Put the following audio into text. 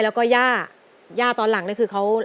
แล้วก็หญ้าตอนหลังคือ